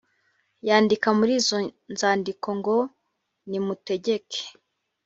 yandika muri izo nzandiko ngo nimutegeke